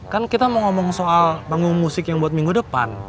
kan kita mau ngomong soal bangun musik yang buat minggu depan